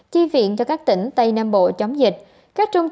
chi viện cho các tỉnh tây nam bộ chống dịch